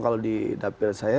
kalau di dapur saya